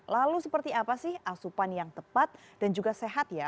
lalu seperti apa sih asupan yang tepat dan juga sehat ya